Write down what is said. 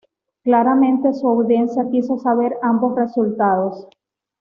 Claramente, su audiencia quiso saber ambos resultados.